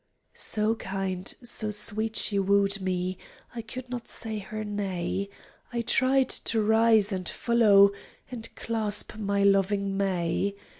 So kind, so sweet she wooed me, I could not say her nay; I tried to rise and follow, And clasp my loving may.